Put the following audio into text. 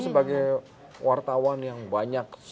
sebagai wartawan yang banyak